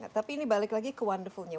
tapi ini balik lagi ke wonderful nya